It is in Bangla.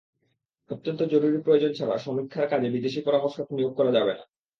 অত্যন্ত জরুরি প্রয়োজন ছাড়া সমীক্ষার কাজে বিদেশি পরামর্শক নিয়োগ করা যাবে না।